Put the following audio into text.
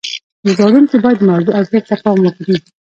ژباړونکي باید د موضوع ارزښت ته پام وکړي.